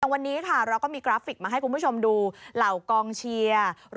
วันนี้ค่ะเราก็มีกราฟิกมาให้คุณผู้ชมดูเหล่ากองเชียร์